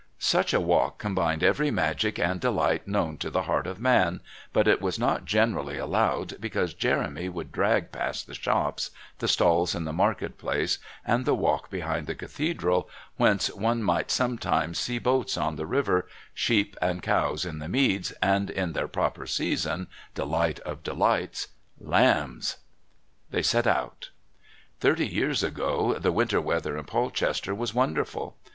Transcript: Such a walk combined every magic and delight known to the heart of man, but it was not generally allowed, because Jeremy would drag past the shops, the stalls in the Market Place and the walk behind the Cathedral, whence one might sometimes see boats on the river, sheep and cows in the meads, and, in their proper season, delight of delights lambs. They set out... Thirty years ago the winter weather in Polchester was wonderful.